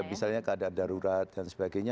misalnya keadaan darurat dan sebagainya